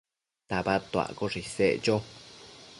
tabadtuaccoshe isec cho